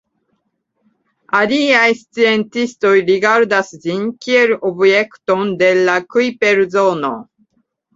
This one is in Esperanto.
Aliaj sciencistoj rigardas ĝin kiel objekton de la Kujper-zono.